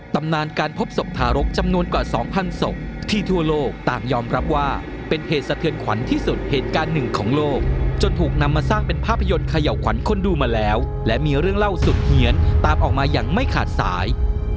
ตำนานการพบศพทารกจำนวนกว่า๒๐๐ศพที่ทั่วโลกต่างยอมรับว่าเป็นเหตุสะเทือนขวัญที่สุดเหตุการณ์หนึ่งของโลกจนถูกนำมาสร้างเป็นภาพยนตร์เขย่าขวัญคนดูมาแล้วและมีเรื่องเล่าสุดเฮียนตามออกมาอย่างไม่ขาดสาย